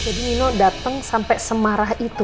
jadi nino dateng sampai semarah itu